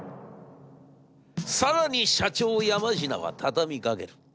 更に社長山科は畳みかける。